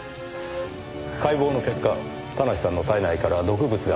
解剖の結果田無さんの体内から毒物が検出されています。